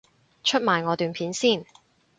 出埋我段片先